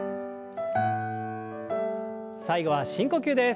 最後は深呼吸です。